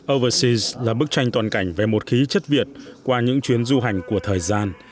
overseas là bức tranh toàn cảnh về một khí chất việt qua những chuyến du hành của thời gian